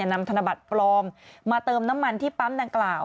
นำธนบัตรปลอมมาเติมน้ำมันที่ปั๊มดังกล่าว